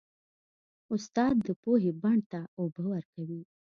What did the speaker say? استاد د پوهې بڼ ته اوبه ورکوي.